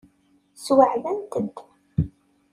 Sweɛdent-d.